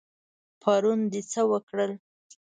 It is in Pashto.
پرون د څه وکړل؟